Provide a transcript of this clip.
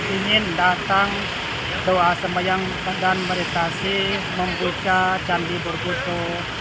ingin datang berdoa dan meditasi membuka acara berguna